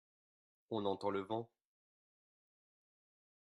On entend le vent.